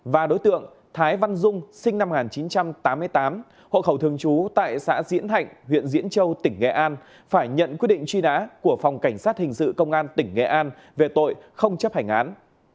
và đối tượng thái văn dung sinh năm một nghìn chín trăm tám mươi tám hộ khẩu thường trú tại xã diễn thạnh huyện diễn châu tỉnh nghệ an phải nhận quyết định truy nã của phòng cảnh sát hình sự công an tỉnh nghệ an về tội không chấp hành án